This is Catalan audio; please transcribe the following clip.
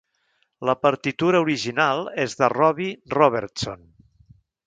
La partitura original és de Robbie Robertson.